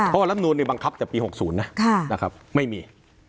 เพราะว่าร้ำนมณีบังคับแต่ปี๖๐นะครับไม่มี